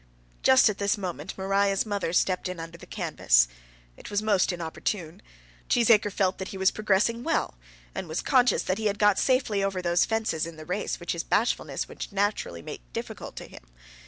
Just at this moment Maria's mother stepped in under the canvas. It was most inopportune. Mr. Cheesacre felt that he was progressing well, and was conscious that he had got safely over those fences in the race which his bashfulness would naturally make difficult to him.